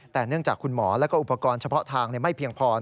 แต่เนื่องจากคุณหมอและอุปกรณ์เฉพาะทางไม่เพียงพอ